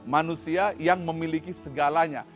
manusia yang memiliki segalanya